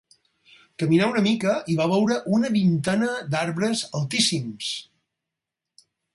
Caminà una mica i va veure una vintena d'arbres altíssims.